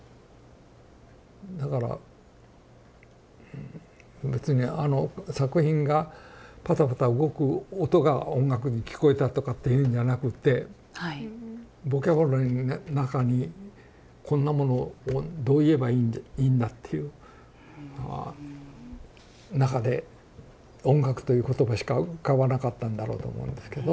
だから別にあの作品がパタパタ動く音が音楽に聞こえたとかっていうんじゃなくてボキャブラリーに中にこんなものをどう言えばいいんだっていう中で音楽という言葉しか浮かばなかったんだろうと思うんですけど。